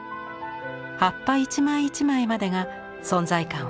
葉っぱ一枚一枚までが存在感を放ちます。